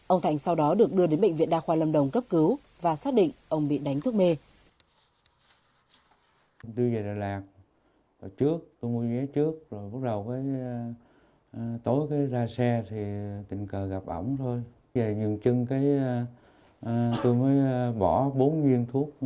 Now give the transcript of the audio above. ông thành sau đó được đưa đến bệnh viện đa khoa lâm đồng cấp cứu và xác định ông bị đánh thuốc mê